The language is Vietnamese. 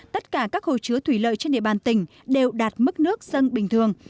tất cả các hồ chứa thủy lợi trên địa bàn tỉnh đều đạt mức nước dân bình thường